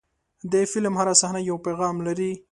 د فلم هره صحنه یو پیغام لري.